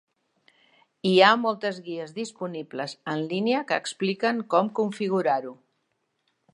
Hi ha moltes guies disponibles en línia que expliquen com configurar-ho.